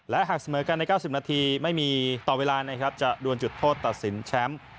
และหากเสมอกันใน๙๐นาทีไม่มีต่อเวลานะครับจะดวนจุดโทษตัดสินแชมป์